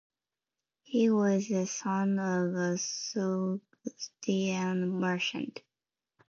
He was the son of a Sogdian merchant.